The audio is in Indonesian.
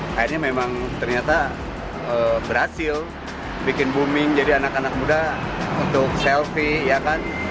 akhirnya memang ternyata berhasil bikin booming jadi anak anak muda untuk selfie ya kan